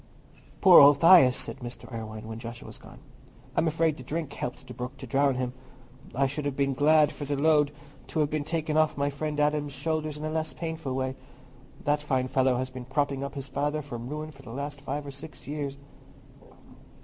"Poor old Thias!" said Mr. Irwine, when Joshua was gone. "I'm afraid the drink helped the brook to drown him. I should have been glad for the load to have been taken off my friend Adam's shoulders in a less painful way. That fine fellow has been propping up his father from ruin for the last five or six years."